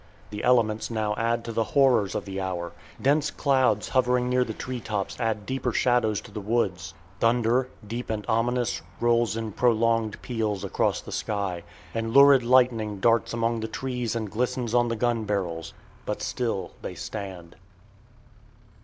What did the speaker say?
The elements now add to the horrors of the hour. Dense clouds hovering near the tree tops add deeper shadows to the woods. Thunder, deep and ominous, rolls in prolonged peals across the sky, and lurid lightning darts among the trees and glistens on the gun barrels. But still they stand.